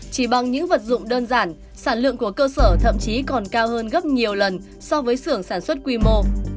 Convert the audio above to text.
chỉ bằng những vật dụng đơn giản sản lượng của cơ sở thậm chí còn cao hơn gấp nhiều lần so với xưởng sản xuất quy mô